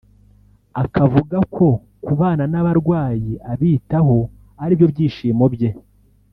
akavuga ko kubana n’abarwayi abitaho ari byo byishimo bye